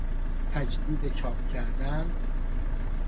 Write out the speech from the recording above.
تجدید چاپ کردن